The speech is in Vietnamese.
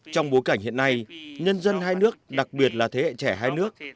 trong bối cảnh hiện nay nhân dân hai nước đặc biệt là thế hệ trẻ hai nước